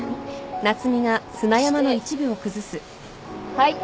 はい。